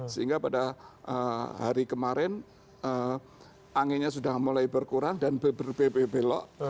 sehingga pada hari kemarin anginnya sudah mulai berkurang dan berbelok